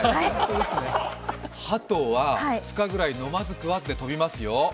鳩は２日ぐらい飲まず食わずで飛びますよ。